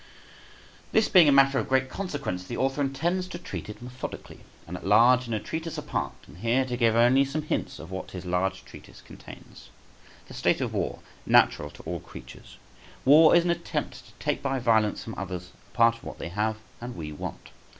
This being a matter of great consequence, the author intends to treat it methodically and at large in a treatise apart, and here to give only some hints of what his large treatise contains. The state of war, natural to all creatures. War is an attempt to take by violence from others a part of what they have and we want.